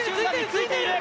ついてる！